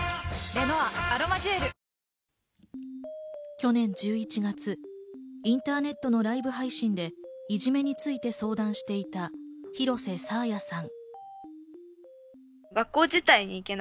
去年１１月、インターネットのライブ配信でいじめについて相談していた廣瀬爽彩さん。